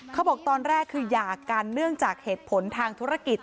เขาบอกตอนแรกคือหยากกันเนื่องจากเหตุผลทางธุรกิจ